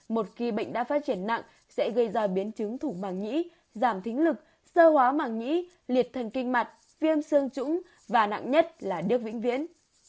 một khi bệnh đã phát triển nặng sẽ gây ra biến chứng thủ màng nhĩ giảm thính lực sơ hóa màng nhĩ liệt thành kinh mặt viêm xương trũng và nặng nhất là đức vĩnh viễn